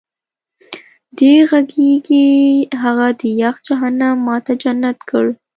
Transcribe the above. دې غېږې هغه د یخ جهنم ما ته جنت کړ